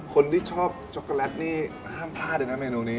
คนที่ชอบช็อกโกแลตนี่ห้ามพลาดเลยนะเมนูนี้